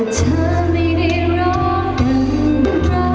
แต่ว่าเธอไม่ได้รอกัน